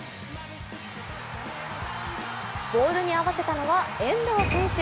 ボールに合わせたのは遠藤選手。